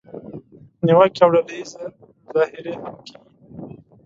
نیوکې او ډله اییزه مظاهرې هم کیږي.